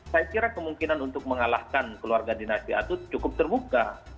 saya kira kemungkinan untuk mengalahkan keluarga dinasti atut cukup terbuka